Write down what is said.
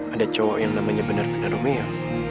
ada cowok yang namanya bener bener romeo